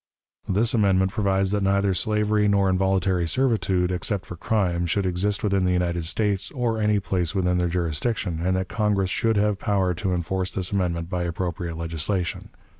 "This amendment provides that neither slavery nor involuntary servitude, except for crime, should exist within the United States, or any place within their jurisdiction, and that Congress should have power to enforce this amendment by appropriate legislation.